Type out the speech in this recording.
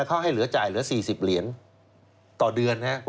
เขาให้เหลือจ่ายเหลือ๔๐เหรียญต่อเดือนนะครับ